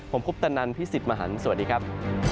ผมคุปตะนันพี่สิทธิ์มหันฯสวัสดีครับ